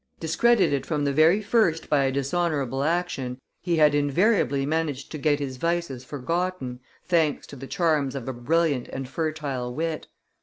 Discredited from the very first by a dishonorable action, he had invariably managed to get his vices forgotten, thanks to the charms of a brilliant and fertile wit.